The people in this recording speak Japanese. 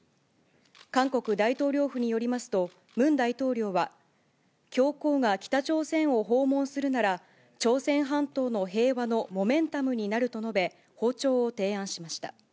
韓国大統領府によりますと、ムン大統領は教皇が北朝鮮を訪問するなら、朝鮮半島の平和のモメンタムになると述べ、訪朝を提案しました。